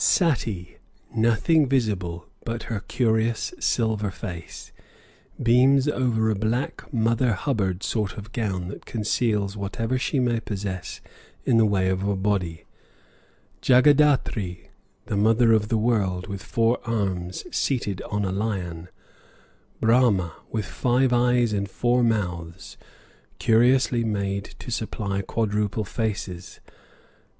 Sati, nothing visible but her curious silver face, beams over a black mother hubbard sort of gown that conceals whatever she may possess in the way of a body; Jagaddatri, the Mother of the World, with four arms, seated on a lion; Brahma, with five eyes and four mouths, curiously made to supply quadruple faces.